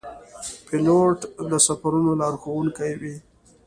پیلوټ د سفرونو لارښوونکی وي.